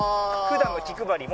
普段の気配り。